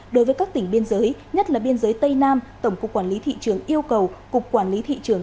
đối với các tỉnh biên giới nhất là biên giới tây nam tổng cục quản lý thị trường yêu cầu cục quản lý thị trường